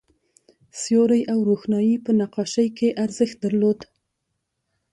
سیوری او روښنايي په نقاشۍ کې ارزښت درلود.